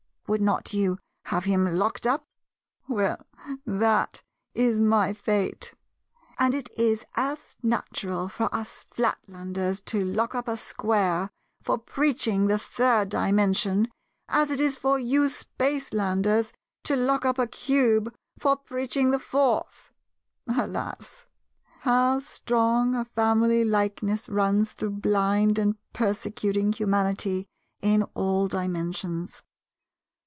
Would not you have him locked up? Well, that is my fate: and it is as natural for us Flatlanders to lock up a Square for preaching the Third Dimension, as it is for you Spacelanders to lock up a Cube for preaching the Fourth. Alas, how strong a family likeness runs through blind and persecuting humanity in all Dimensions!